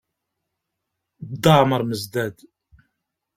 Dda Amer Mezdad